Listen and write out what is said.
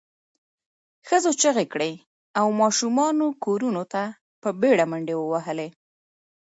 ښځو چیغې کړې او ماشومانو کورونو ته په بېړه منډې ووهلې.